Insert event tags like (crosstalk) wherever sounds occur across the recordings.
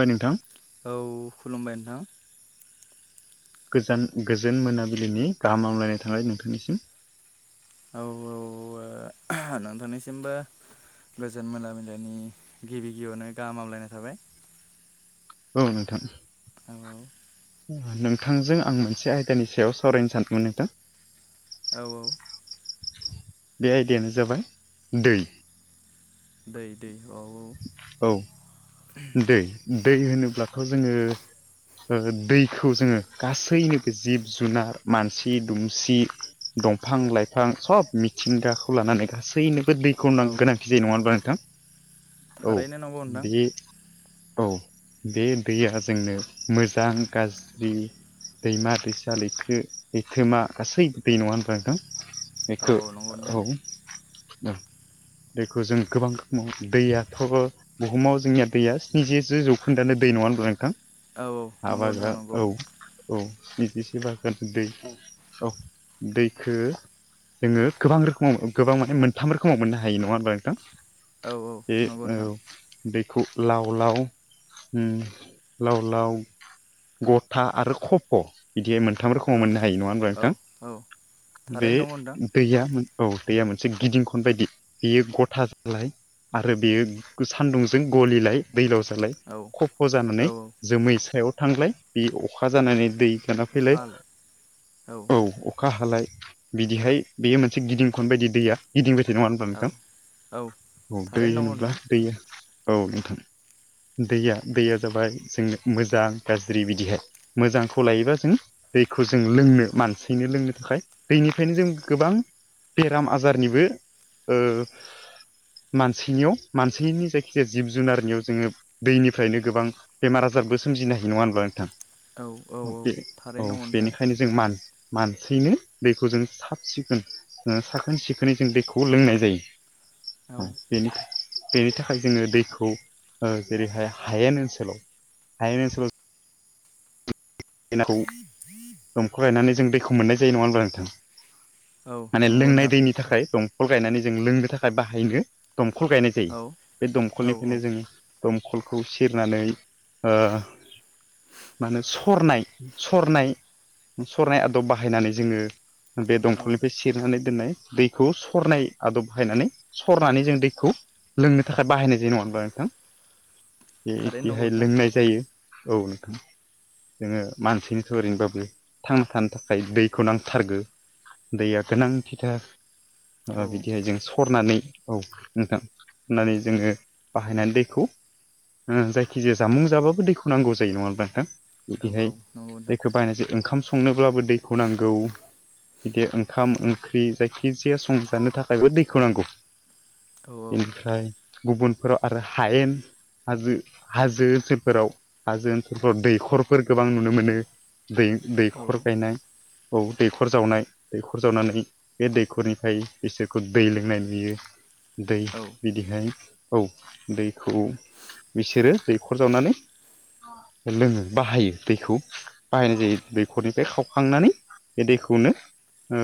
बाय नोंथां औ खुलुमबाय नोंथां गोजान गोजोन मोनाबिलिनि गाहाम हामलायनाय थानाय नोंथांनिसिम औ औ आ नोंथांनिसिमबो गोजोन मोनाबिलिनि गिबि गिबियावनो गाहामलायनाय थाबाय औ नोंथां औ नोंथांजों आं मोनसे आयदानि सायाव सावरायनो सानदोंमोन नोंथां औ औ बे आयदायानो जाबाय दै दै दै औ औ औ दै दै होनोब्लाथ' जोङो ओ दैखौ जोङो गासैनोबो जिब जुनार मानसि दुमसि दंफां लाइफां सब मिथिंगाखौ लानानै गासैनोबो दैखौ औ गोनांथि जायो नङा होनोमबब्ला नोंथां औ थारैनो नंगौ नोंथां बि औ बे दैया जोंनो मोजां गाज्रि दैमा दैसा लैथो लैथोमा गासै दै नङा‌ होमबा नोंथां औ बेखौ औ नंगौ औ नोंथां दैखौ जों गोबां रोखोमाव दैयाथ' बुहुमाव जोंनिया दैया स्निजिजो जौखोन्दानो दै नङा होनब्ला नोंथां औ औ नंगौ नोंथां हाबाग्रा नंगौ औ औ बिदिसो बागान दै औ दैखो जोङो गोबां रोखोमाव गोबां माने मोनथाम रोखोमाव मोननो हायो नङा होनबा नोंथां औ औ बे नंगौ आ नोंथां बे लाव लाव ओन लाव लाव गथा आरो खफ' बिदि मोन थाम रोखोमाव औ मोननो हायो नङा होनबब्ला औ नोंथां औ बे थारैनो नंगौ नोंथां दैया औ दैया मोनसे मोनसे गिदिं खन बायदि बेयो गथा जालाय आरो बेयो सान्दुंजों गलिलाय दैलाव जालाय औ खफ' औ जानानै जोमै सायाव थांलाय बे अखा जानानै दै खाना अखा फैलाय हालाय औ अखा हालाय बिदिहाय बेयो मोनसे गिदिं खन बायदि दैया गिदिंबाय थायो बे नङा होनब्ला औ नोंथां औ औ दै थारैनो नंगौ होनोब्ला नोंथां दैया औ नोंथां दैया दैया जाबाय जोंङ मोजां गाज्रि बिदिहाय मोजांखौ लायोबा जों दैखौ जों लोंनो मानसिनो लोंनो थाखाय दैनिफ्रायनो जों गोबां बेराम आजारनिबो ओ मानसिनियाव मानसिनि जायखि जे जिब जुनारनियाव जोङो दैनिफ्रायनो गोबां बेमार आजारबो सोमजिनो हायो नङा होनब्ला नोंथां औ बे बेनिखायनो जों मान मानसिनो दैखौ जों साब सिखोन ओ साखोन सिखोनै जों दैखौ लोंनाय जायो औ बेनि बेनिथाख थाखाय जोङो दैखौ जेरैहाय हायेन ओनसोलाव हायेन ओनसोलाव दैखौ दंकल गायनानै जों दैखौ मोननाय जायो नङा होनोमब्ला नोंथां औ माने नंगौ लोंनाय नोंथां दैनि थाखाय दंखल गायनानै जों लोंनो थाखाय बाहायनो दमखल गायनाय जायो औ बे औ दंखलनिफ्रायनो जोङो दमखलखौ सेरनानै ओ मा होनो स सरनाय सरनाय सरनाय आदब बाहायनानै जोङो बे औ दंखलनिफ्राय सेरनानै दोननाय दैखौ सरनाय आदब बाहायनानै सरनानै जों दैखौ लोंनो थाखाय बाहायनाय जायो नङाहोनबा नोंथां बे थारैनो नंगौ इदिहाय नोंथां लोंनाय जायो औ नोंथां जोङो मानसिनि थाखाय ओरैनोबाबो थांना थानो थाखाय दैखौ नांथारगौ दैया गोनांथिथार ओ औ बिदिहाय जों स सरनानै औ नोंथां हरनानै जोङो बाहायनानै दैखौ ओ जायखिजाया जामुं जाबाबो दैखौ नांगौ जायो नङाहोनब्ला नोंथां बिदिहाय औ औ नंगौ नोंथां दैखौ बायनाजों ओंखाम संनोब्लाबो दैखौ नांगौ बिदि ओंखाम ओंख्रि जायखिजाया संजानो थाखायबो दैखौ नांगौ औ बेनिफ्राय गुबुनफोराव आरो हायेन हाजो हाजो ओनसोलफोराव हाजो ओनसोलफोराव दैखर फोर गोबां नुनो मोनो दै दैखर औ गायनाय औ दैखर जावनाय दैखर जावनानै बे दैखरनिफ्राय बिसोरखौ दै लोंनाय नुयो दै औ बिदिहाय औ दैखौ बिसोरो दैखर जावनानै लोङो बाहायो दैखौ बाहायनाय जायो दैखरनिफ्राय खावखांनानै बे दैखौनो ओ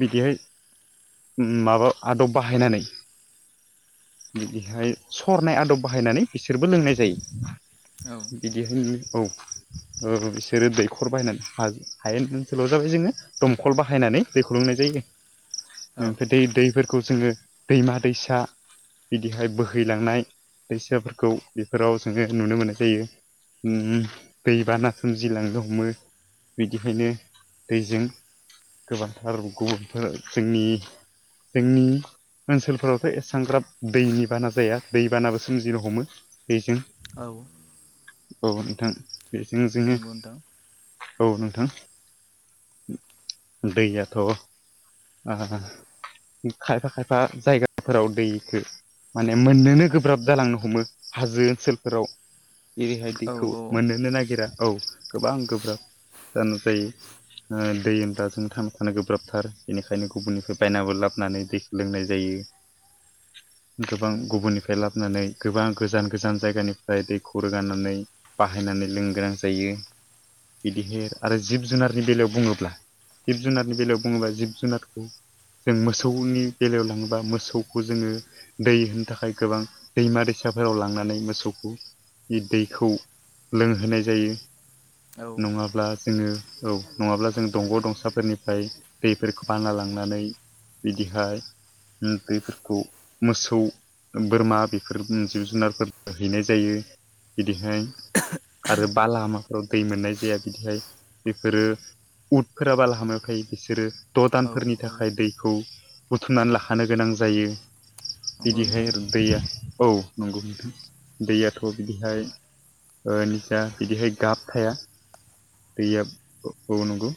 बिदिहाय माबा आदब बाहायनानै बिदिहाय सरनाय आदब बाहायनानै बिसोरबो लोंनाय जायो बिदि होननि औ ओ बिसोरो दैखर बाहायनानै हाज हायेन ओनसोलाव जाबाय जोङो दमखल बाहायनानै नै दैखौ लोंनाय जायो औ ओफ्राय दै दैफोरखौ जोङो दैमा दैसा बिदिहाय बोहैलांनाय दैसाफोरखौ बेफोराव जोङो नुनो मोननाय जायो उ दैबाना सोमजिलांनो हमो बिदिखायनो दैजों गोबांथार गुबुनफोर जोंनि जोंनि ओनसोलफोरावथ' एसांग्राब दैनि बाना जाया दै बानाबो सोमजिनो हमो बेजों औ औ नोंथां बेजों जोङो नंगौ नोंथां औ नोंथां दैयाथ' आ खायफा खायफा जायगाफोराव दैखौ माने मोननोनो गोब्राब जालांनो हमो हाजो ओनसोलफोराव औ रैबायदिखौ औ मोननोनो नागिरा औ गोबां गोब्राब जानोसायो दै होनब्ला जों थानो थानो गोब्राबथार बेनिखायनो गुबुननिफ्राय बायनाबो लाबोनानै दैखौ लोंनाय जायो (inaudible) गोबां गुबुननिफ्राय लाबोनानै गोबां गोजान गोजान जायगानिफ्राय दैखौ रोगानानै बाहायनानै लों गोनां जायो बिदिहेर आरो जिब जुनारनि बेलायाव बुङोब्ला जिब जुनारनि बेलायाव बुङोबा जिब जुनारखौ जों मोसौनि बेलायाव लाङोबा मोसौखौ जोङो दै होनो थाखाय गोबां दैमा दैसा फाफोराव लांनानै मोसौखौ दैखौ लोंहोनाय जायो औ नङाब्ला जोङो औ नङाब्ला जों दंग' दंसाफोरनिफ्राय दैफोरखौ बाना लांनानै बिदिहाय दैफोरखौ मोसौ बोरमा बेफोर जिब जुनारफोर हैनाय जायो बिदिहाय आरो बा लामाफोराव दै मोननाय जाया बिदिहाय बेफोरो उदफोराबाल हामाखै बिसोरो द' औ दानफोरनि औ थाखाय दैखौ बुथुमनानै लाखानो गोनां जायो नंगौ बिदिह नोंथां र दैया औ नंगौ नोंथां दैयाथ' बिदिहाय निजा बिदिहाय गाब थाया दैया बबावनंगौ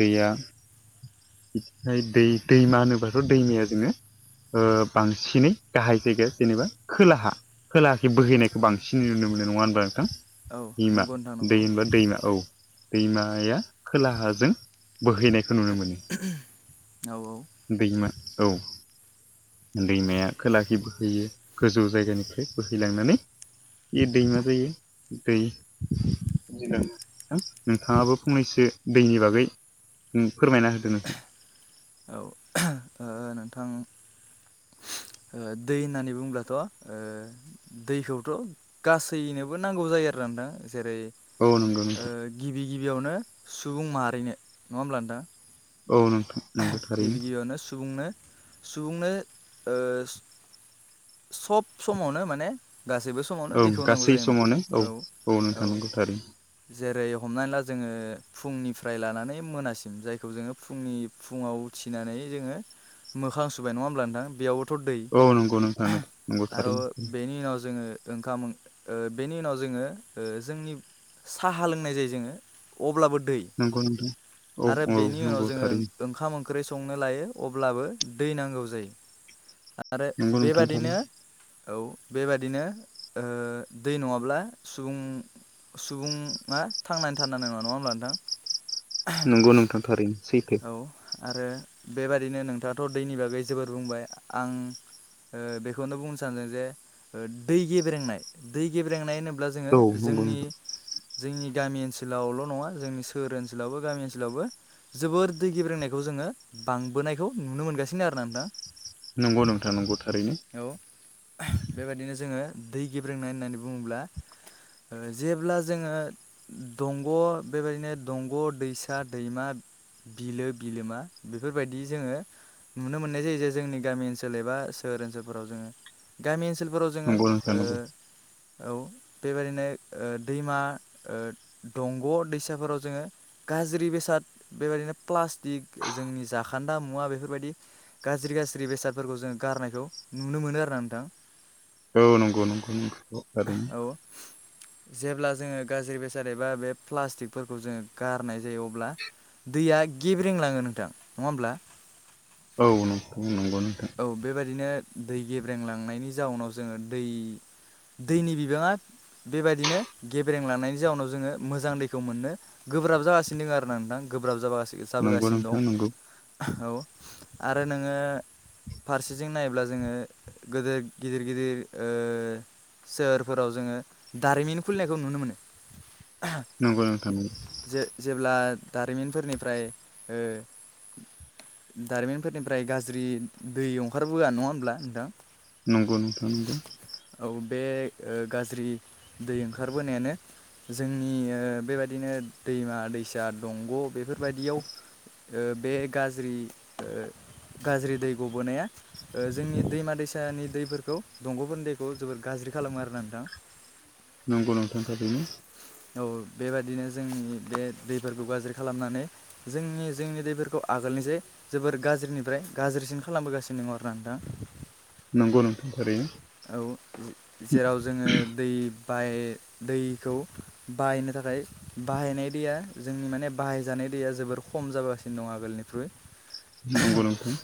दैया बिफ्राय दै दैमा होनोबाथ' दैमाया जोङो बांसिनै गाहाय जायगाया जेनेबा खोलाहा खोला बे बोहैनायखौ औ बांसिन नुनो मोनो नङा होनबा नोंथां औ दैमा नंगौ नोंथां दै नंगौ होनबा दैमा औ। दैमाया खोलाहाजों बोहैनायखौ नुनो मोनो। औ औ दैमा औ। दैमाया खोलाखै बोहैयो गोजौ जायगानिफ्राय बोहैलांनानै इ दै म दैयो दै नोंथाङाबो फंनैसो दैनि बागै। फोरमायना होदो नोंथां। दा नोंथां दै होननानै बुङब्लाथ' दैखौथ' गासैनोबो नांगौ जायो आरो। रा जेरै औ नंगौ नोंथां गिबि गिबियावनो सुबुं माहारिनो नङा होमबब्ला नोंथां औ नोंथां नंगौ गिबि थारैनो गिबियावनो सुबुंनो सुबुंनो सब समावनो माने गासैबो समावनो औ दैखौ नांगौ गासै जायोमोन समावनो औ औ नोंथां नंगौ थारैनो जेरै हमनानै ला जोङो फुंनिफ्राय लानानै मोनासिम जायखौ जोङो फुंनि फुङाव उथिनानै जोङो मोखां सुबाय नङा होमब्ला नोंथां बेयाव बोथ' दै औ नंगौ नोंथां नंगौ नंगौ आरो थारैनो बेनि उनाव जोङो ओंखाम बेनि उनाव जोङो जोंनि साहा लोंनाय जायो जोङो अब्लाबो दै नंगौ नोंथां औ आरो औ बेनि उनाव नंगौ जोङो थारैनो ओंखाम ओंख्रि संनो लायो अब्लाबो दै नांगौ जायो। आरो नंगौ नोंथां थारैनो बेबादिनो औ बेबादिनो ओ दै नङाब्ला सुबुं सुबुङा थांनानै थानो हानाय नङा, नङा होमब्ला नोंथां? नंगौ नोंथां थारैनो सैथो। औ आरो बेबायदिनो नोंथाङाथ' दैनि बागै जोबोर बुंबाय आं बेखौनो बुंनो सानदों जे दै गेब्रेंनाय दै गेब्रेंनाय होनो- ब्ला जोङो औ नंगौ जोंनि नोंथां जोंनि गामि ओनसोलावल' नङा जोंनि सोहोर ओनसोलावबो गामि ओनसोलावबो जोबोर दै गेब्रेंनायखौ जोङो बांबोनायखौ नुनो मोनगासिनो आरोना नोंथां। नंगौ नोंथां नंगौ थारैनो। औ बेबादिनो जोङो दै गेब्रेंनाय होननानै बुङोब्ला जेब्ला जोङो दंग' बेबायदिनो दंग' दैसा दैमा। बिलो बिलोमा बेफोरबायदि जोङो नुनो मोननाय जायो जे जोंनि गामि ओनसोल एबा। सोहोर ओनसोलफोराव जोङो गामि ओनसोलफोराव जोङो नंगौ नोंथां नंगौ ओ औ। बेबायदिनो ओ दैमा ओ दंग' दैसाफोराव जोङो गाज्रि बेसाद। बेबायदिनो प्लास्टिक जोंनि जाखोन्दा मुवा बेफोरबायदि गाज्रि गाज्रि बेसादफोरखौ जों गा गारनायखौ नुनो मोनो आरोना नोंथां। औ नंगौ नंगौ थारैनो। औ जेब्ला जोङो गाज्रि बेसाद एबा बे प्लास्टिकफोरखौ जोङो गारनाय जायो अब्ला दैया गेब्रें लाङो नोंथां नङा होमब्ला। औ नंगौ। औ बेबायदिनो दै गेब्रेंलांनायनि जाउनाव जोङो दै दैनि बिबाङा बेबायदिनो गेब्रें लांनायनि जाउनाव जोङो मोजां दैखौ मोननो गोब्राब जागासिनो दङ आरोना नोंथां। गोब्राब जाब नंगौ जाबोगासिनो दं नोंथां नंगौ नोंथां नंगौ औ आरो नोङो फारसेजों नायोब्ला जोङो गोदेर गिदिर गिदिर ओ सोहोरफोराव जोङो दारिमिन खुलिनायखौ नुनो मोनो। नंगौ नोंथां। जे-जेब्ला दारिमिनफोरनिफ्राय ओ दारिमिनफोरनिफ्राय गाज्रि दै ओंखारबोआ नङा होमब्ला नोंथां? नंगौ नोंथां नंगौ। औ बे ओ गाज्रि दै ओंखारबोनायानो जोंनि ओ बेबायदिनो दैमा दैसा दंग' बेफोरबायदियाव ओ बे गाज्रि ओ गाज्रि दै गबोनाया ओ जोंनि दैमा दैसानि दैफोरखौ दंग'फोरनि दैखौ जोबोर गाज्रि खालामो आरोना नोंथां। नंगौ नोंथां थारैनो। औ बेबायदिनो जोंनि बे दैफोरखौ गाज्रि खालामनानै जोंनि जोंनि दैफोरखौ आगोलनि जे जोबोर गाज्रिनिफ्राय गाज्रिसिन खालामबोगासिनो दङ आरो ना नोंथां। नंगौ नोंथां थारैनो औ जेराव जोङो दै बाय दैखौ बाहायनो थाखाय बाहायनाय दैया जोंनि माने बाहायजानाय। दैया जोबोर खम जाबोगासिनो दं आगोलनिख्रुय। नंगौ नोंथां।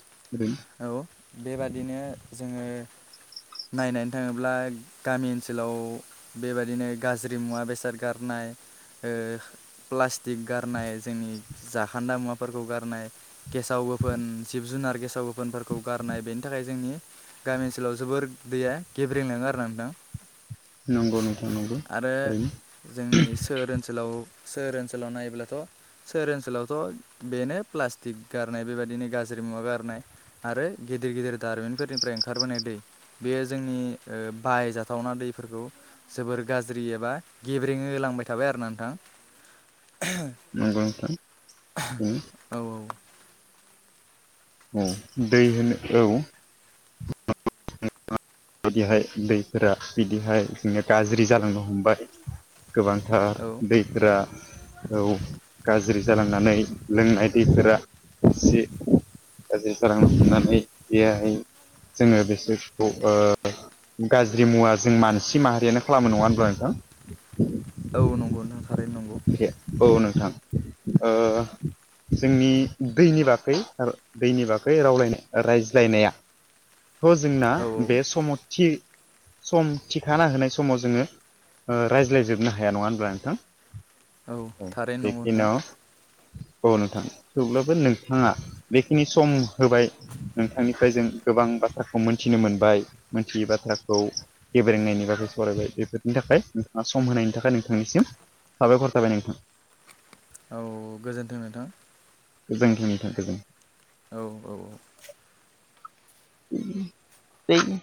औ बेबादिनो जोङो नायनायनो थाङोब्ला गामि ओनसोलाव बेबादिनो गाज्रि मुवा बेसाद गारनाय। ओ प्लास्टिक गारनाय। जोंनि जाखान्दा मुवाफोरखौ गारनाय गेसाव गोफोन जिब जुनार गेसाव गोफोनफोरखौ गारनाय बेनि थाखाय जोंनि गामि ओनसोलाव जोबोर दैया गेब्रेंलाङो आरो ना नोंथां। नंगौ नोंथां नंगौ आरो ओरैनो जोंनि सोहोर ओनसोलाव सोहोर ओनसोलाव नायोब्लाथ' सोहोर ओनसोलावथ' बेनो प्लास्टिक गारनाय बेबायदिनो गाज्रि मुवा गारनाय। आरो गिदिर गिदिर दारिमिनफोरनिफ्राय ओंखारबोनाय दै बेयो जोंनि ओ बायजाथावना दै खौ जोबोर गाज्रि एबा गेब्रेङो लांबाय थाबाय आरो ना नोंथां। (unintelligible) नंगौ नोंथां उम। औ औ दै होनो औ। बिदिहाय दैफोरा बिदिहाय जोङो गाज्रि जालांनो हमबाय। गोबांथार औ दैफोरा औ गाज्रि जालांनानै लोंनाय दैफोरा एसे गाज्रि जालांनानै बेहाय जोङो बिसोरखौ ओ गाज्रि मुवा जों मानसि माहारियानो खालामो नङा होनब्ला नोंथां? औ नोंगौ नोंथां थारैनो। नंगौ औ नोंथां ओ जोंनि दैनि बागै दैनि बागै रावलायनाय रायज्लायनाया थ' जोंना औ बे सम थि सम थिखाना होनाय समाव जोङो ओ रायज्लायजोबनो हाया नङा होनब्ला नोंथां औ थारैनो नंगौ नोंथां बेखिनियाव औ नोंथां थेवब्लाबो नोंथाङा बेखिनि सम होबाय नोंथांनिफ्राय जों गोबां बाथ्राखौ मोनथिनो मोनबाय मोनथियै बाथ्राखौ, गेब्रेंनायनि बागै सावरायबाय बेफोरनि थाखाय नोंथाङा सम होनायनि थाखाय नोंथांनिसिम साबायखर थाबाय नोंथां। औ गोजोन्थों नोंथां। गोजोनथों नोथां गोजोन औ औ दैैनि